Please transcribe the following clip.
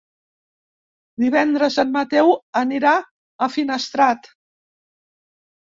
Divendres en Mateu anirà a Finestrat.